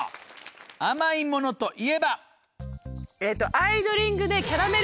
甘いものといえば？